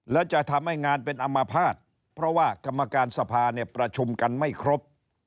และจะทำให้งานเป็นอำมาภาษณ์เพราะว่ากรรมการสภาประชุมกันไม่ครบ